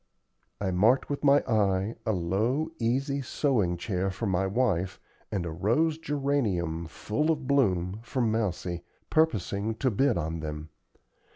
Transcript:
I marked with my eye a low, easy sewing chair for my wife, and a rose geranium, full of bloom, for Mousie, purposing to bid on them.